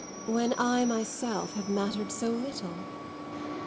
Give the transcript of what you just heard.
"When I myself have mattered so little?"